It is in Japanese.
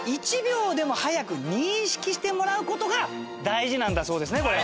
１秒でも早く認識してもらう事が大事なんだそうですね